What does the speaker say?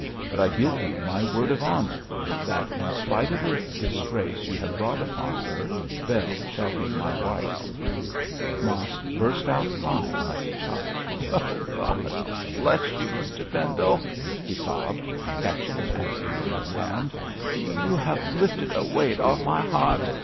But I give you my word of honour, that in spite of the disgrace you have brought upon her, Bell shall be my wife.' Mosk burst out crying like a child. 'God bless you, Mr Pendle!' he sobbed, catching at Gabriel's hand. 'You have lifted a weight off my heart.